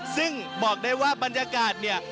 ซึ่งบอกได้ว่าบรรยากาศเนี่ย